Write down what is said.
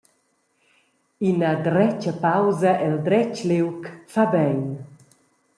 Ina dretga pausa el dretg liug fa bein.